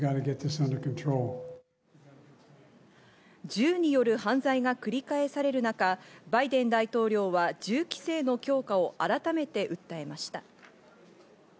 銃による犯罪が繰り返される中、バイデン大統領は銃規制の強化を改めて訴えました。